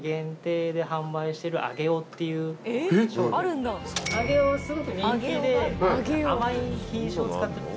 あげおすごく人気で甘い品種を使ってるんです。